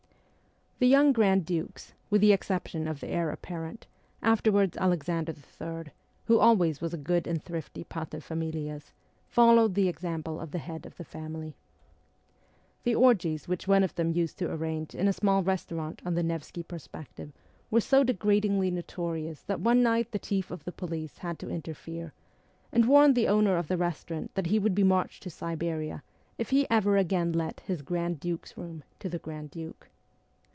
The young grand dukes, with the exception of the heir apparent, afterwards Alexander III., who always was a good and thrifty paterfamilias, followed the example of the head of the family. The orgies which one of them used to arrange in a small restaurant" on the Nevsky Perspective were so degradingly notorious that one night the chief of the police had to interfere and warned the owner of the restaurant that he would be marched to Siberia if he ever again let his 'grand duke's room ' to the grand duke.